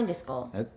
えっ？